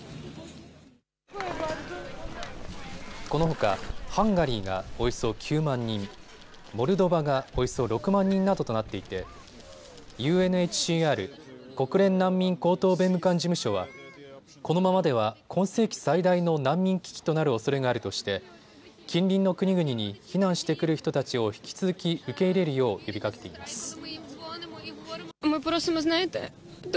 このほかハンガリーがおよそ９万人、モルドバがおよそ６万人などとなっていて、ＵＮＨＣＲ・国連難民高等弁務官事務所は、このままでは今世紀最大の難民危機となるおそれがあるとして近隣の国々に避難してくる人たちを引き続き受け入れるよう呼びかけています。